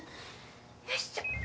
よいしょ。